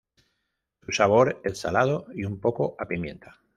Su sabor es salado y un poco a pimienta.